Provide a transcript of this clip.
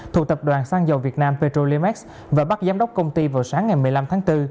thuộc tập đoàn sang dầu việt nam petrolimax và bắt giám đốc công ty vào sáng ngày một mươi năm tháng bốn